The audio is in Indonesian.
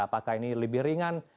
apakah ini lebih ringan